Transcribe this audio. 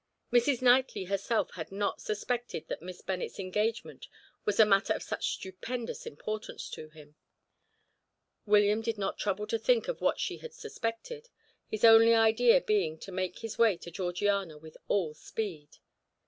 Mrs. Knightley herself had not suspected that Miss Bennet's engagement was a matter of such stupendous importance to him. William did not trouble to think of what she had suspected, his only idea being to make his way to Georgiana with all speed.